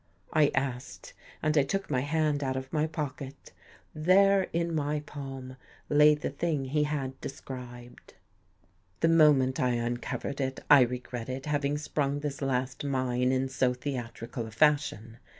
" I asked and I took my hand out of my pocket. There in my palm lay the thing he had described. The moment I uncovered it, I regretted having sprung this last mine in so theatrical a fashion.